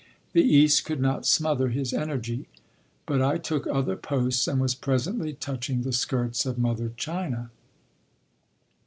The East could not smother his energy.... But I took other posts and was presently touching the skirts of Mother China.